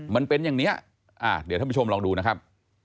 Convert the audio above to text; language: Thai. มันเป็นอย่างนี้เดี๋ยวท่านผู้ชมลองดูนะครับ